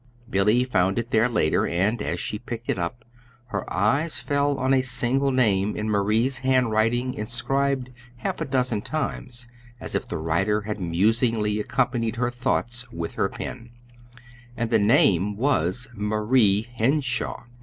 Billy found it there later, and as she picked it up her eyes fell on a single name in Marie's handwriting inscribed half a dozen times as if the writer had musingly accompanied her thoughts with her pen; and the name was, "Marie Henshaw."